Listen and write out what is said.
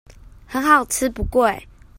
很好吃不貴